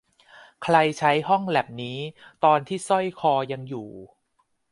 ใครใช้ห้องแล็ปนี้ตอนที่สร้อยคอยังอยู่